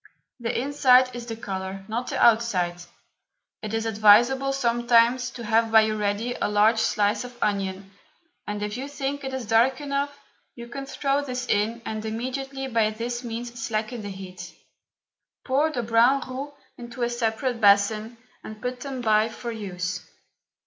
The inside is the colour, not the outside. It is advisable sometimes to have by you ready a large slice of onion, and if you think it is dark enough you can throw this in and immediately by this means slacken the heat. Pour the brown roux into a separate basin, and put them by for use.